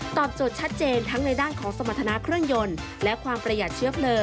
ตอบโจทย์ชัดเจนทั้งในด้านของสมรรถนาเครื่องยนต์